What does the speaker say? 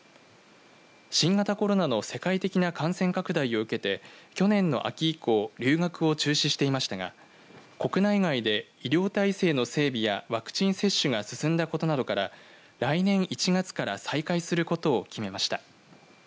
新型コロナの世界的な感染拡大を受けて去年の秋以降留学を中止していましたが国内外で医療体制の整備やワクチン接種が進んだことなどから来年１月から再開することを決めました。